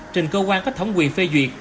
trên cơ quan có thống quy phê duyệt